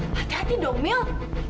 hati hati dong mil